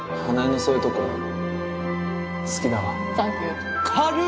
花枝のそういうとこ好きだわ